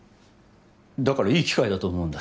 だからいい機会だと思うんだ